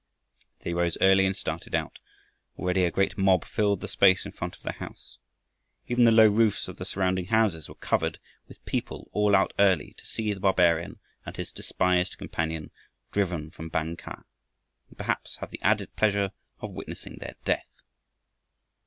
They rose early and started out. Already a great mob filled the space in front of the house. Even the low roofs of the surrounding houses were covered with people all out early to see the barbarian and his despised companion driven from Bang kah, and perhaps have the added pleasure of witnessing their death.